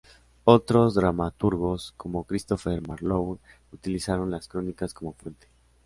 Otros dramaturgos, como Christopher Marlowe, utilizaron las Crónicas como fuente.